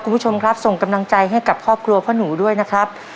คุณผู้ชมครับส่งกำลังใจให้กับครอบครัวพ่อหนูด้วยนะครับ